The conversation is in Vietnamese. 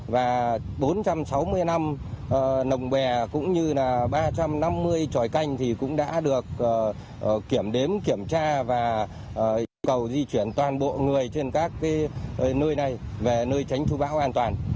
và bốn trăm sáu mươi năm lồng bè cũng như là ba trăm năm mươi tròi canh thì cũng đã được kiểm đếm kiểm tra và yêu cầu di chuyển toàn bộ người trên các nơi này về nơi tránh chú bão an toàn